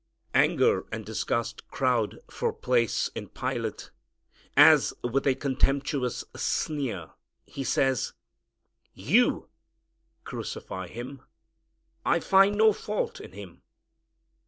Anger and disgust crowd for place in Pilate, as, with a contemptuous sneer, he says, "You crucify Him. I find no fault in Him."